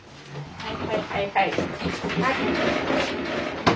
はい。